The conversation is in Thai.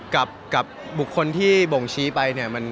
กับบุคคลที่บ่งชี้ไปเนี่ย